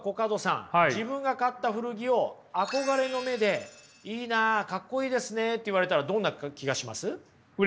自分が買った古着を憧れの目で「いいなかっこいいですね」って言われたらどんな気がします？